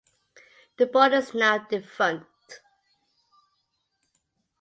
The board is now defunct.